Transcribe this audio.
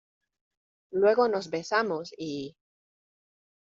luego nos besamos y...